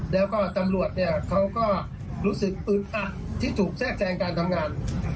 แล้วก็ตำรวจเนี่ยเขาก็รู้สึกอึดอัดที่ถูกแทรกแทรงการทำงาน